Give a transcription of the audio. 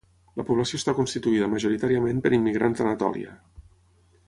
La població està constituïda majoritàriament per immigrants d'Anatòlia.